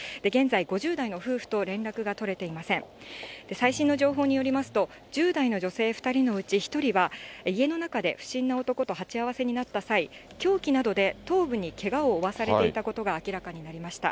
最新の情報によりますと、１０代の女性２人のうち１人は、家の中で不審な男と鉢合わせになった際、凶器などで頭部にけがを負わされていたことが明らかになりました。